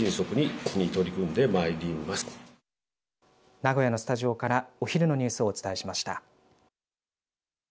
名古屋のスタジオからお昼のニュースをお伝えしました。